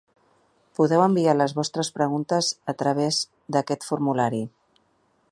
Podeu enviar les vostres preguntes a través d’aquest formulari.